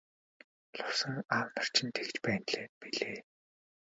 Лувсан аав чинь ч тэгж байна билээ.